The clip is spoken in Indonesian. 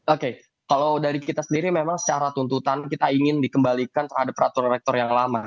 oke kalau dari kita sendiri memang secara tuntutan kita ingin dikembalikan terhadap peraturan rektor yang lama